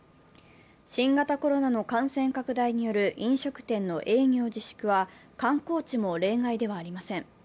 新型コロナの感染拡大による飲食店の営業自粛は観光地も例外ではありません。